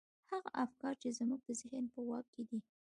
هغه افکار چې زموږ د ذهن په واک کې دي.